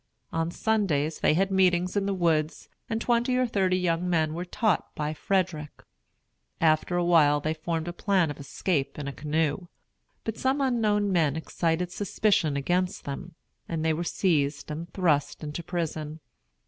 On Sundays they had meetings in the woods, and twenty or thirty young men were taught by Frederick. After a while they formed a plan of escaping in a canoe. But some unknown men excited suspicion against them, and they were seized and thrust into prison.